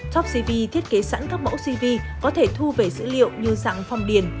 topcv thiết kế sẵn các mẫu cv có thể thu về dữ liệu như dạng phong điền